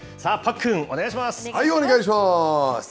お願いします。